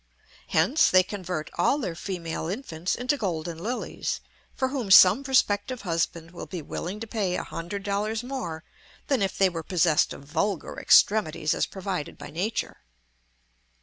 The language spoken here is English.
Hence they convert all their female infants into golden lilies, for whom some prospective husband will be willing to pay a hundred dollars more than if they were possessed of vulgar extremities as provided by nature.